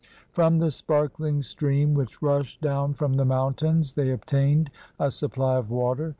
From the sparkling stream which rushed down from the mountains, they obtained a supply of water.